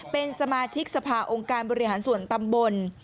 เป็นสมาชิกสภาองค์การบริหารส่วนตำบล